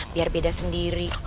biar beda sendiri